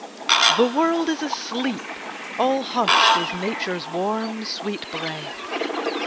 The world is asleep! All hushed is Nature's warm, sweet breath.